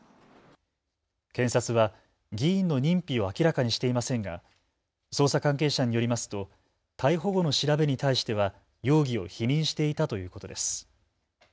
検察は議員の認否を明らかにしていませんが捜査関係者によりますと逮捕後の調べに対しては容疑を否認していたということです。